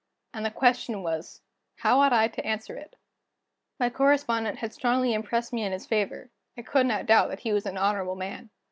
And the question was: how ought I to answer it? My correspondent had strongly impressed me in his favor; I could not doubt that he was an honorable man.